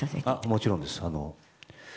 もちろんです。